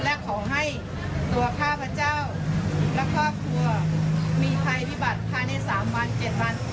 และขอให้ตัวข้าพเจ้าและครอบครัวมีภัยพิบัติภายใน๓วัน๗วัน